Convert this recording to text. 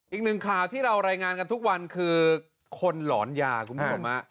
อีกหนึ่งข่าวที่เรารายงานกันทุกวันคือคนหลอนยาคุณผู้ชม